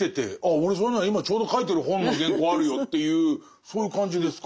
俺それなら今ちょうど書いてる本の原稿あるよというそういう感じですか。